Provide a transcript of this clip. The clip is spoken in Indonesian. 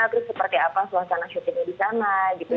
terus seperti apa suasana syutingnya di sana gitu